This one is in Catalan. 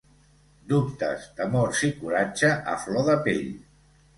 Dubtes, temors i coratge a flor de pell.